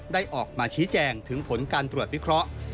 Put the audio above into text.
ได้ออกมาชี้แจงถึงผลการตรวจวิเคราะห์